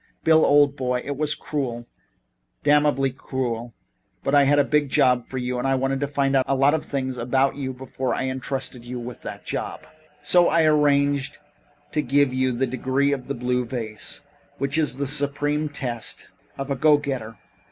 "Bill, old boy, it was cruel damnably cruel, but I had a big job for you and I had to find out a lot of things about you before I entrusted you with that job. So I arranged to give you the Degree of the Blue Vase, which is the supreme test of a go getter.